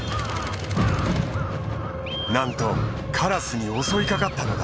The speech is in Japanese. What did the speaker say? なんとカラスに襲いかかったのだ。